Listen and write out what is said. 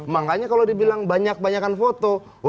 makanya kalau dibilang banyak banyakan foto